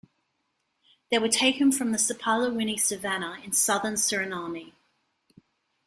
They were taken from the Sipaliwini savanna in southern Suriname.